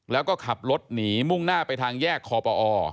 แล้วก็ขับรถหนีมุ่งหน้าไปทางแยกคอปอ